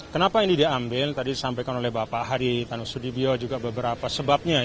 kenapa ini diambil tadi disampaikan oleh bapak hadi tanusudibio juga beberapa sebabnya